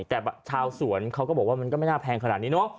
แต่ชาวสวนเขาก็บอกว่ามันก็ไม่น่าแพงขนาดนี้เนอะ